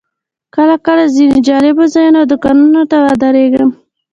کله کله ځینو جالبو ځایونو او دوکانونو ته ودرېږم.